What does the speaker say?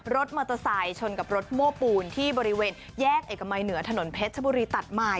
รถมอเตอร์ไซค์ชนกับรถโม้ปูนที่บริเวณแยกเอกมัยเหนือถนนเพชรชบุรีตัดใหม่